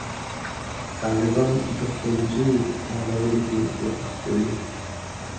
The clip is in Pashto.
طالبان د ښوونځیو په فعالولو کې کوښښ کوي.